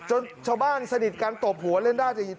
ชาวบ้านสนิทกันตบหัวเล่นได้